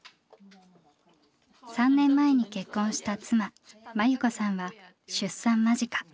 ３年前に結婚した妻万由子さんは出産間近。